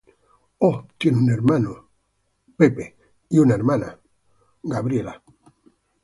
Oh tiene un hermano, Ray, y una hermana, Grace.